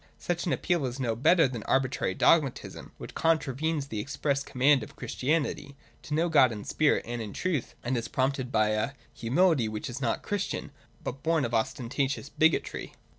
Such an appeal is no better than an arbitrary dogmatism, which contravenes the express command of Christianity, to know God in spirit and in truth, and is prompted by a humility which is not Christian, but born of ostentatious bigotry.